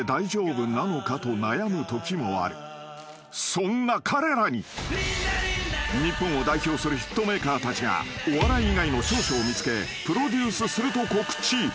［そんな彼らに日本を代表するヒットメーカーたちがお笑い以外の長所を見つけプロデュースすると告知］